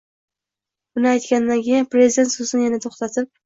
Buni aytgandan keyin Prezident so‘zini yana to‘xtatib